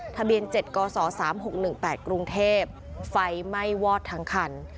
ทะเบียน๗กศ๓๖๑๘กรุงเทพไฟไหม้วอดทั้งคัน